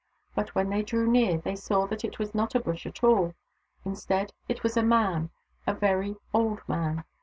But when they drew near, they saw that it was not a bush at all. Instead, it was a man, a very old man.